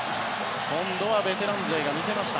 今度はベテラン勢が見せました。